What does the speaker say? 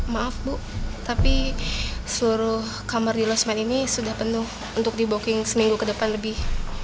maaf bu tapi seluruh kamar di losman ini sudah penuh untuk di booking seminggu ke depan lebih